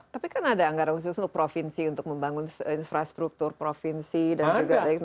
tapi kan ada anggaran khusus untuk provinsi untuk membangun infrastruktur provinsi dan juga